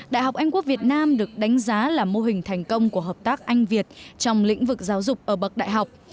đại học anh quốc việt nam được đánh giá là mô hình thành công của hợp tác anh việt trong lĩnh vực giáo dục ở bậc đại học